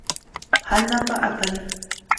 Hanapa hapay.